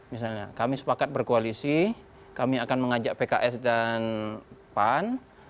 misalnya kami sepakat berkoalisi kami akan mengajak pks dan pan